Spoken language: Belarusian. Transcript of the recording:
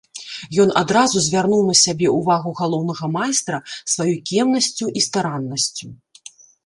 Ён адразу звярнуў на сябе ўвагу галоўнага майстра сваёй кемнасцю і стараннасцю.